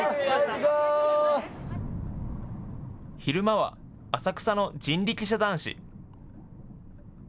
昼間は浅草の人力車男子。